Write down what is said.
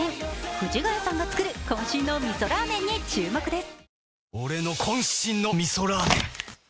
藤ヶ谷さんが作る渾身のみそラーメンに注目です。